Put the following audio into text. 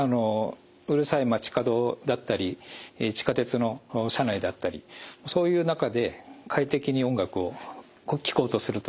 うるさい街角だったり地下鉄の車内だったりそういう中で快適に音楽を聴こうとするとですね